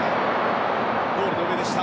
ゴールの上でした。